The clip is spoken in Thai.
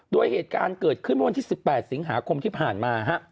โดยเหตุการณ์เกิดขึ้นเมื่อวันที่๑๘สิงหาคมที่ผ่านมา